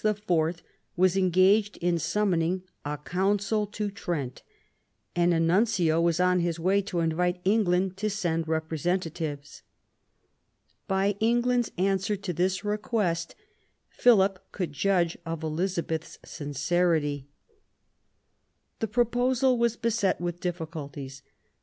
was engaged in summoning a Council to Trent, and a nuncio was on his way to invite England to send representatives. By England's answer to this request Philip could judge of Eliza beth's sincerity. The proposal was beset with diffi culties.